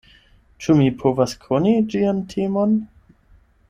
Ĉu mi povas koni ĝian temon?